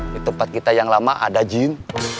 di tempat kita yang lama ada gym